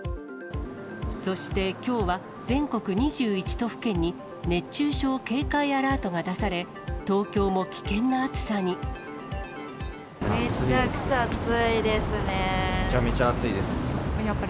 そしてきょうは、全国２１都府県に熱中症警戒アラートが出され、東京も危険な暑さめちゃくちゃ暑いですね。